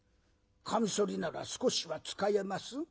かみそりなら少しは使えます？